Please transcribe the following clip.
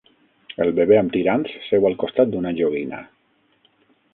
El bebè amb tirants seu al costat d'una joguina.